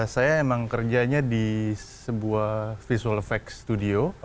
saya emang kerjanya di sebuah visual effect studio